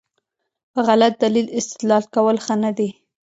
په غلط دلیل استدلال کول ښه نه دي.